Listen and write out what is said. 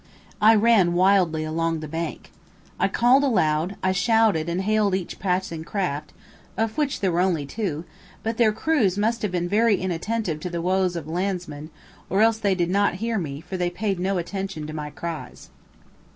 I ran wildly along the bank. I called aloud, I shouted and hailed each passing craft of which there were only two but their crews must have been very inattentive to the woes of landsmen, or else they did not hear me, for they paid no attention to my cries.